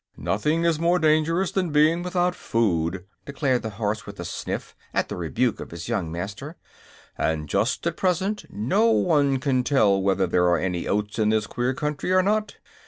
"Nothing is more dangerous than being without food," declared the horse, with a sniff at the rebuke of his young master; "and just at present no one can tell whether there are any oats in this queer country or not.